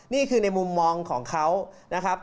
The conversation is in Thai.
นี่คือในมุมมองของเขานะครับ